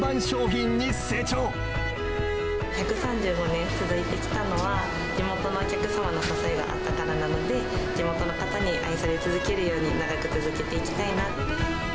１３５年続いてきたのは、地元のお客様の支えがあったからなので、地元の方に愛され続けるように、長く続けていきたいな。